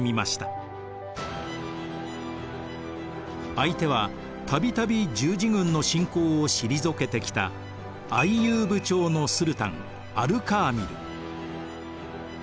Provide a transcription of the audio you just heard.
相手は度々十字軍の侵攻を退けてきたアイユーブ朝のスルタンアル・カーミル。